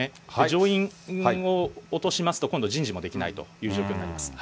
上院を落としますと、今度、人事もできないという状況になります。